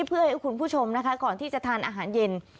เพื่อให้คุณผู้ชมนะคะก่อนที่จะทานอาหารเย็น